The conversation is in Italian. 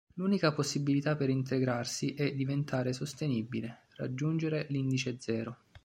L'unica possibilità per integrarsi è diventare "sostenibile": raggiungere l'lndice Zero.